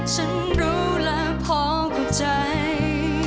ฉันรู้และพอเข้าใจ